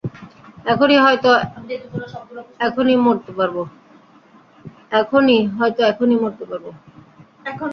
এখনই হয়তো এখনই মরতে পারবো।